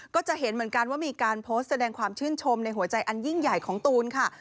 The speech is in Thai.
ก็จะเห็นเหมือนกันว่ามีการโพสต์แสดงความชื่นชมในหัวใจอันยิ่งใหญ่ของตูนค่ะ